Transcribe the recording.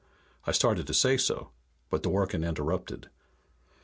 I started to say so, but Dworken interrupted.